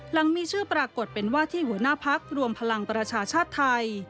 หลังมีชื่อปรากฏเป็นว่าที่หัวหน้าพักรวมพลังประชาชาติไทย